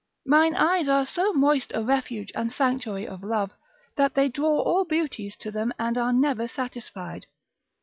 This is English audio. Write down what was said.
Mine eyes are so moist a refuge and sanctuary of love, that they draw all beauties to them, and are never satisfied.